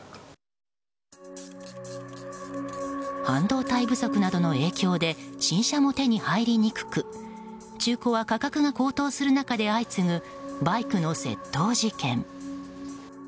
半導体不足などの影響で新車も手に入りにくく中古は価格が高騰する中で相次ぐバイクの窃盗事件。